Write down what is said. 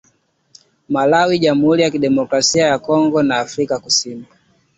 Malawi jamhuri ya kidemokrasia ya Kongo na Afrika kusini